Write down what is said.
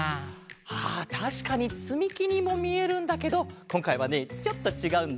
あたしかにつみきにもみえるんだけどこんかいはねちょっとちがうんだ。